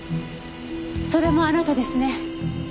それもあなたですね？